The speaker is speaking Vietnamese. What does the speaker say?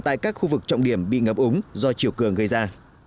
tại các khu vực trọng điểm bị ngập úng do chiều cường gây ra